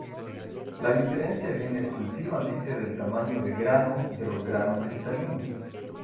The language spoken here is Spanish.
La diferencia viene exclusivamente del tamaño de grano de los granos cristalinos.